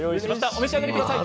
お召し上がり下さい。